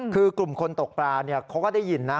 คือกลุ่มคนตกปลาเขาก็ได้ยินนะ